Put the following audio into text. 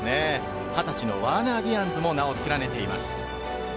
２０歳のワーナー・ディアンズも名を連ねています。